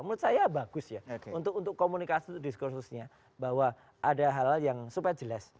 menurut saya bagus ya untuk komunikasi diskursusnya bahwa ada hal hal yang supaya jelas